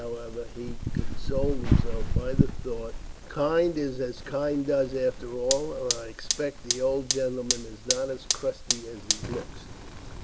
However, he consoled himself by the thought: "Kind is as kind does after all, and I expect the old gentleman is not as crusty as he looks."